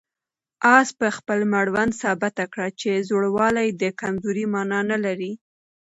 آس په خپل مړوند ثابته کړه چې زوړوالی د کمزورۍ مانا نه لري.